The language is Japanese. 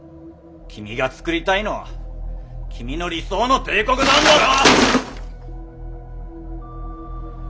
君が創りたいのは君の理想の帝国なんだろ！